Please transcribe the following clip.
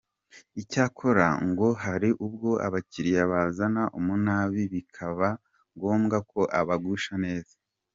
Icyakora, ngo hari ubwo abakiriya bazana umunabi bikaba ngombwa ko abagusha neza.